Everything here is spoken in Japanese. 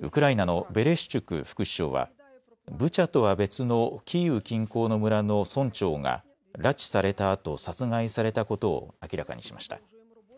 ウクライナのベレシチュク副首相はブチャとは別のキーウ近郊の村の村長が拉致されたあと殺害されたことを明らかにしました。